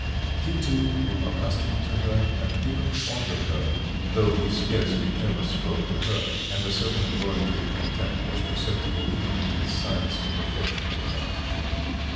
He, too, grew accustomed to her, and even fond of her, though he scarcely ever spoke to her, and a certain involuntary contempt was perceptible even in his signs of affection to her.